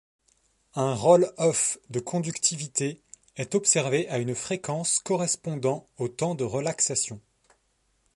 Un roll-off de conductivité est observé à une fréquence correspondant au temps de relaxation.